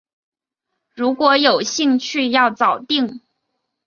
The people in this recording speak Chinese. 如果有兴趣要早定